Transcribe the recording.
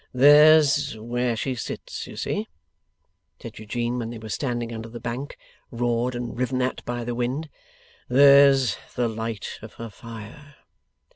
'There's where she sits, you see,' said Eugene, when they were standing under the bank, roared and riven at by the wind. 'There's the light of her fire.